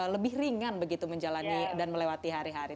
lebih ringan begitu menjalani dan melewati hari hari